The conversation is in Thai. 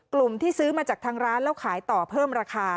ที่ซื้อมาจากทางร้านแล้วขายต่อเพิ่มราคา